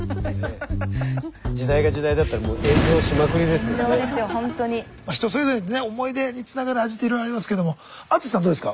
まあ人それぞれにね思い出につながる味っていろいろありますけども淳さんどうですか？